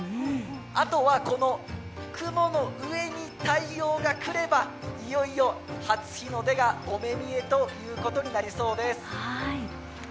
あとは雲の上に太陽がくればいよいよ初日の出がお目見えというとになりそうです。